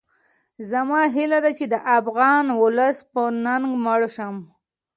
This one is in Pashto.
زما هیله ده چې د افغان ولس په ننګ مړ شم